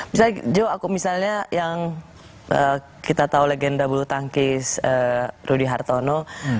misalnya joe aku misalnya yang kita tahu legenda bulu tangkis rudy hartono